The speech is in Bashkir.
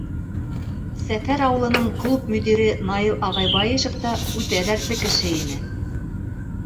Сәфәр ауылының клуб мөдире Наил ағай Байышев та үтә дәртле кеше ине.